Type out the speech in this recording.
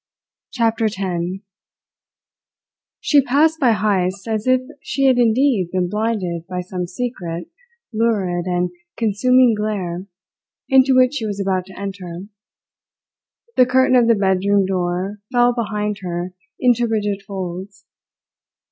CHAPTER TEN She passed by Heyst as if she had indeed been blinded by some secret, lurid, and consuming glare into which she was about to enter. The curtain of the bedroom door fell behind her into rigid folds.